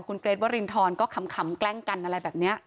คุณเกรทวรินทรก็ขำแกล้งกันอะไรแบบนี้